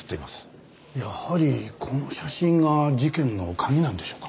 やはりこの写真が事件の鍵なんでしょうか？